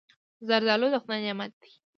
زردالو د خدای نعمت دی.